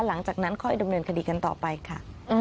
หลังจากนั้นค่อยดำเนินคดีกันต่อไปค่ะ